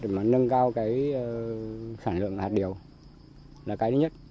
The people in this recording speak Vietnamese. tăng cao sản lượng hạt điều là cái thứ nhất